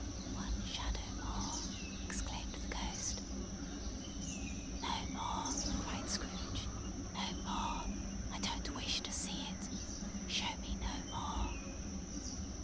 "One shadow more!" exclaimed the Ghost. "No more!" cried Scrooge. "No more. I don't wish to see it. Show me no more!"